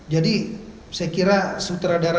jadi saya kira sutradara